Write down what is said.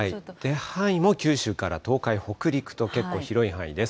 範囲も九州から東海、北陸と、結構広い範囲です。